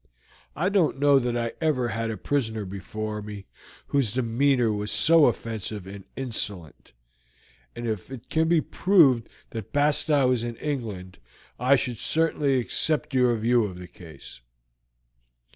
I don't know that I ever had a prisoner before me whose demeanor was so offensive and insolent, and if it can be proved that Bastow is in England I should certainly accept your view of the case.